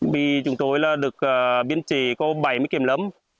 vì chúng tôi được biến trì có bảy mươi kiểm lâm